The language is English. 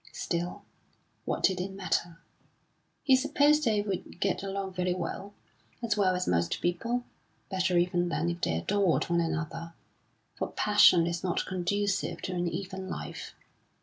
Still, what did it matter? He supposed they would get along very well as well as most people; better even than if they adored one another; for passion is not conducive to an even life.